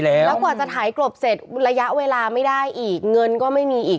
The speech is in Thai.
แล้วกว่าจะถ่ายกลบเสร็จระยะเวลาไม่ได้อีกเงินก็ไม่มีอีก